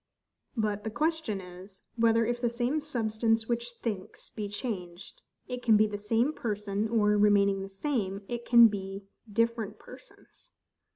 But the question is, Whether if the same substance which thinks be changed, it can be the same person; or, remaining the same, it can be different persons?